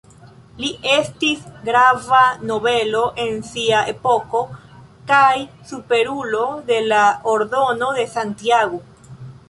Li estis grava nobelo en sia epoko kaj Superulo de la Ordeno de Santiago.